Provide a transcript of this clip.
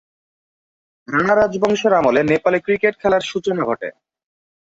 রাণা রাজবংশের আমলে নেপালে ক্রিকেট খেলার সূচনা ঘটে।